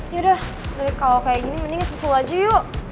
yaudah dari kalo kayak gini mending kesusul aja yuk